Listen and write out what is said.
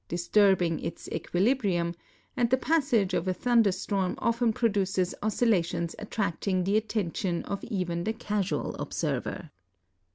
i kES 239 water, (listurl)ing its equililiriuni, and the i)assage of a thunder storm often produces oscillatit)ns attracting the attention of even the casual oliserver.